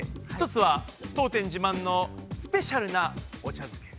１つは当店自慢のスペシャルなお茶漬け。